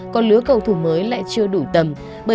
còn lứa cầu thủ mới lại chưa đủ tầm